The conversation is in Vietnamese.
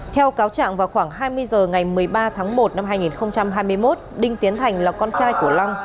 theo cáo trạng vào khoảng hai mươi h ngày một mươi ba tháng một năm hai nghìn hai mươi một đinh tiến thành là con trai của long